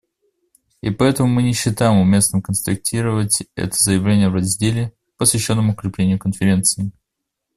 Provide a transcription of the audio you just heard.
И поэтому мы не считаем уместным констатировать это заявление в разделе, посвященном укреплению Конференции.